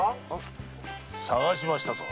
探しましたぞ。